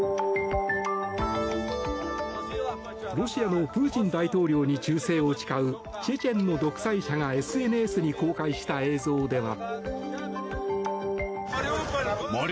ロシアのプーチン大統領に忠誠を誓うチェチェンの独裁者がＳＮＳに公開した映像では。